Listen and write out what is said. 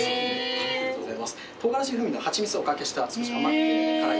ありがとうございます。